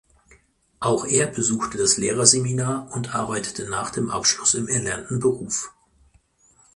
Auch er besuchte das Lehrerseminar und arbeitete nach dem Abschluss im erlernten Beruf.